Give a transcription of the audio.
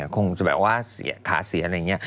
คงจะแบบว่าขาเสียอะไรอย่างนี้